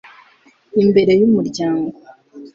imbere y'umuryango